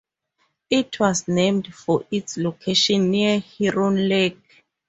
It was named for its location near Heron Lake.